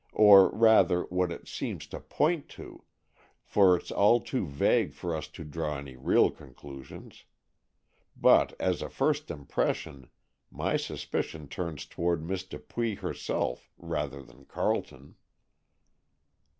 Or, rather, what it seems to point to, for it's all too vague for us to draw any real conclusions. But, as a first impression, my suspicion turns toward Miss Dupuy herself rather than Carleton."